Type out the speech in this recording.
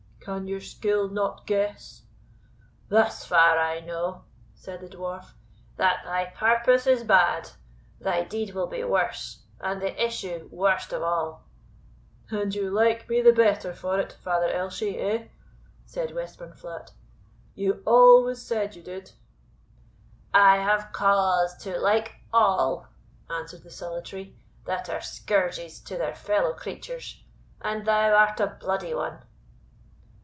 "Can your skill not guess?" "Thus far I know," said the Dwarf, "that thy purpose is bad, thy deed will be worse, and the issue worst of all." "And you like me the better for it, Father Elshie, eh?" said Westburnflat; "you always said you did." "I have cause to like all," answered the Solitary, "that are scourges to their fellow creatures, and thou art a bloody one."